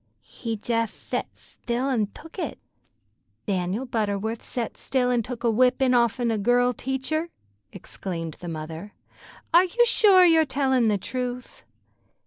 "He jeth thet thtill an' took it." "Dan'l Butterwuth set still an' took a whippin' off'n a girl teacher!" exclaimed the mother. "Are you sure you're tellin' the truth?"